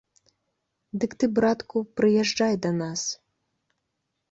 Дык ты, братку, прыязджай да нас.